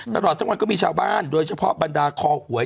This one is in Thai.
ตลอดทั้งวันก็มีชาวบ้านโดยเฉพาะบรรดาคอหวย